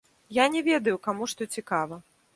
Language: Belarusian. Я не ведаю, каму што цікава.